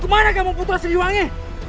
kemana kamu butuh asli wangi